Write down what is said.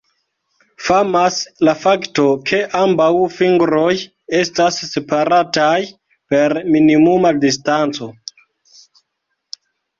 Famas la fakto ke ambaŭ fingroj estas separataj per minimuma distanco.